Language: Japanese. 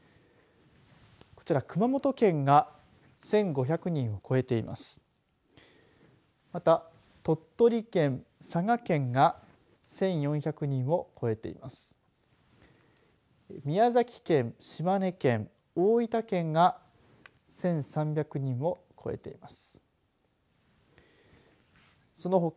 こちら熊本県が１５００人を超えています。